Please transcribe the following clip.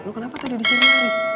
lo kenapa tadi di sini hari